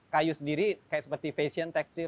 kayu sendiri seperti fashion tekstil